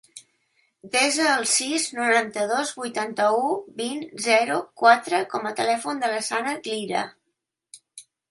Desa el sis, noranta-dos, vuitanta-u, vint, zero, quatre com a telèfon del Sanad Lira.